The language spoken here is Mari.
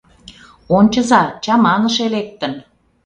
— Ончыза, чаманыше лектын!